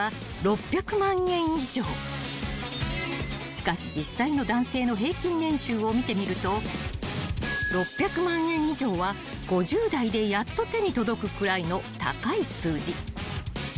［しかし実際の男性の平均年収を見てみると６００万円以上は５０代でやっと手に届くくらいの高い数字］